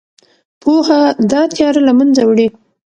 پوهه دا تیاره له منځه وړي.